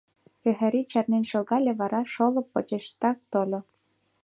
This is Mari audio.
Кӓхри чарнен шогале, вара шолып почешыштак тольо.